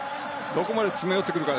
どこまで詰め寄ってくるか。